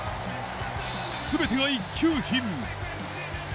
全てが一級品。